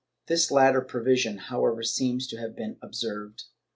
^ This latter provision however seems to have been observed.